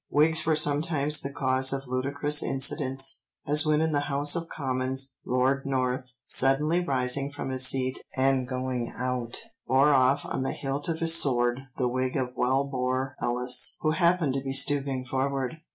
Wigs were sometimes the cause of ludicrous incidents, as when in the House of Commons Lord North suddenly rising from his seat and going out bore off on the hilt of his sword the wig of Welbore Ellis who happened to be stooping forward.